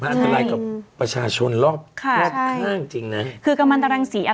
มันอันตรายกับประชาชนรอบค่ะรอบข้างจริงน่ะคือกรมันตารังสีอ่ะ